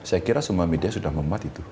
saya kira semua media sudah memat itu